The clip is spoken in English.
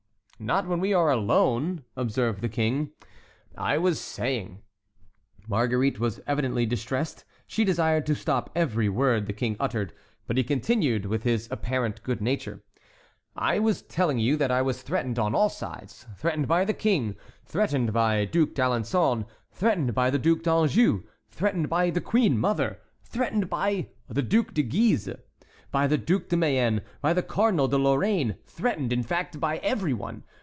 "Not when we are alone," observed the king. "I was saying"— Marguerite was evidently distressed; she desired to stop every word the king uttered, but he continued, with his apparent good nature: "I was telling you that I was threatened on all sides: threatened by the King, threatened by the Duc d'Alençon, threatened by the Duc d'Anjou, threatened by the queen mother, threatened by the Duc de Guise, by the Duc de Mayenne, by the Cardinal de Lorraine—threatened, in fact, by every one.